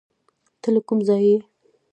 ته له کوم ځایه یې؟